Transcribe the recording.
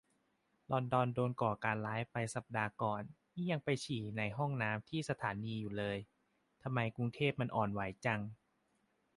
ลอนดอนโดนก่อการร้ายไปสัปดาห์ก่อน นี่ยังไปฉี่ในห้องน้ำที่สถานีอยู่เลย ทำไมกรุงเทพมันอ่อนไหวจัง